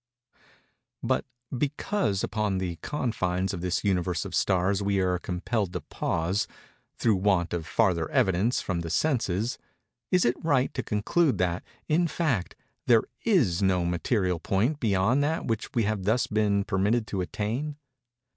But because upon the confines of this Universe of Stars we are compelled to pause, through want of farther evidence from the senses, is it right to conclude that, in fact, there is no material point beyond that which we have thus been permitted to attain?